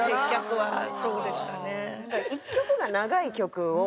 はい。